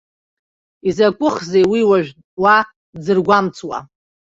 Изакәыхзеи уи уажә уа дзыргәамҵуа?!